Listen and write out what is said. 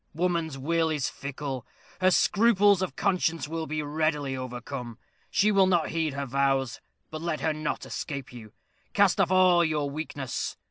Woman's will is fickle; her scruples of conscience will be readily overcome; she will not heed her vows but let her not escape you. Cast off all your weakness.